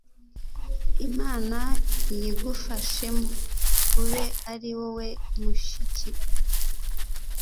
Imana iyigufashemo Ube ari wowe mushyikirwa